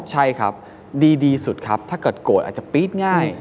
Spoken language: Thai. ใช่ครับดีสุดครับถ้าเกิดโกรธอาจจะปี๊ดง่าย